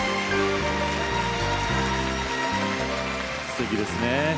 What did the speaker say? すてきですね。